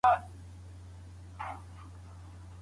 ارواپوهنه د میني او چلند اړیکه څیړي.